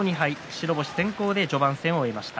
白星先行で序盤戦を終えました。